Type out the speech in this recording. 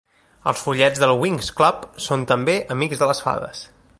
Els follets del "Winx Club" són també amics de les fades.